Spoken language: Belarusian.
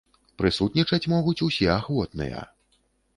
Прысутнічаць могуць усе ахвотныя.